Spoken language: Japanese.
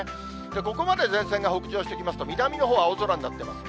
ここまで前線が北上してきますと、南のほう、青空になってます。